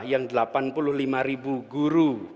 yang delapan puluh lima ribu guru